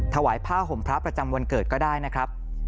ถวายผ้าห่มพระประจำวันเกิดก็ได้นะครับ